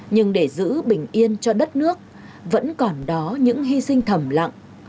nhưng để giữ bình yên cho đất nước vẫn còn đó những hy sinh thầm lặng